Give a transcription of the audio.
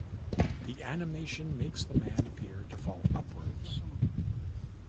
The animation makes the man appear to fall upwards.